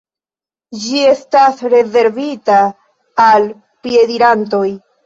Ĝi estas rezervita al piedirantoj.